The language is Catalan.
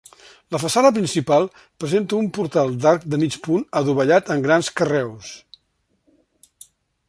La façana principal presenta un portal d'arc de mig punt adovellat amb grans carreus.